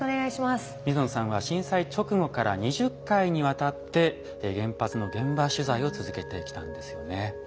水野さんは震災直後から２０回にわたって原発の現場取材を続けてきたんですよね。